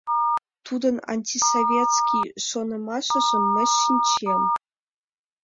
Тудын антисоветский шонымашыжым мый шинчем.